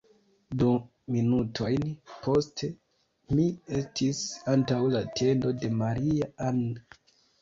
Du minutojn poste, mi estis antaŭ la tendo de Maria-Ann.